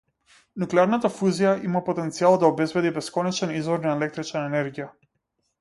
Нуклеарната фузија има потенцијал да обезбеди бесконечен извор на електрична енергија.